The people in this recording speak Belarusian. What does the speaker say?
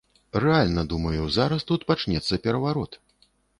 Рэальна, думаю, зараз тут пачнецца пераварот!